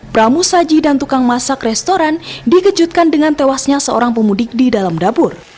pramu saji dan tukang masak restoran dikejutkan dengan tewasnya seorang pemudik di dalam dapur